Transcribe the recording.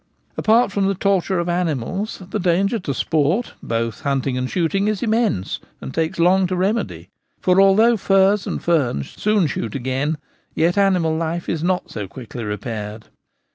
Apart from the torture of animals, the damage to sport — both hunting and shooting — is immense, and takes long to remedy ; for although furze and fern soon shoot again, yet animal life is not so quickly re paired.